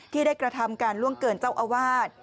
ที่ได้กระทำการล่วงเกินเจ้าอาวาส